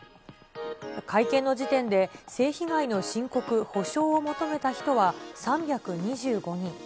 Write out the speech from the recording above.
会見の時点で、性被害の深刻、補償を求めた人は３２５人。